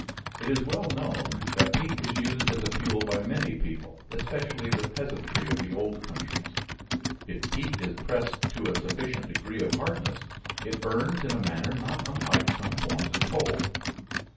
It is well known that peat is used as a fuel by many people, especially the peasantry of the old countries. If peat is pressed to a sufficient degree of hardness it burns in a manner not unlike some forms of coal.